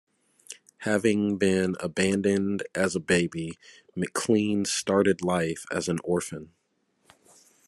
Having been abandoned as a baby, McClean started life as an orphan.